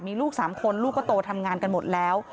มีลูก๓คนลูกก็โตทำงานกันหมดแล้ว